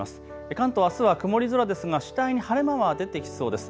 関東あすは曇り空ですが次第に晴れ間は出てきそうです。